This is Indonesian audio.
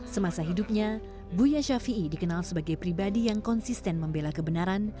semasa hidupnya buya shafi'i dikenal sebagai pribadi yang konsisten membela kebenaran